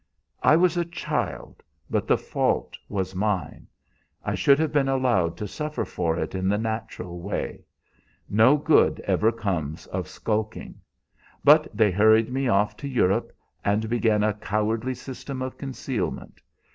"I was a child; but the fault was mine. I should have been allowed to suffer for it in the natural way. No good ever comes of skulking. But they hurried me off to Europe, and began a cowardly system of concealment.